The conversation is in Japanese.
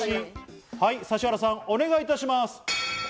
指原さん、お願いいたします。